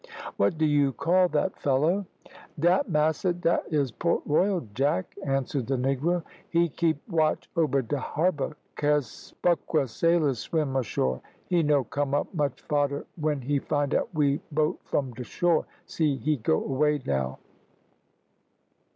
"What do you call that fellow?" "Dat, massa, dat is Port Royal Jack," answered the negro. "He keep watch ober de harbour case buckra sailors swim ashore. He no come up much fader when he find out we boat from de shore. See he go away now."